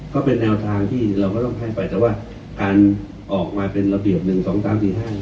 ก็เป็นแนวทางที่เราก็ต้องให้ไปแต่ว่าการออกมาเป็นระเบียบหนึ่งสองสามสี่ห้าง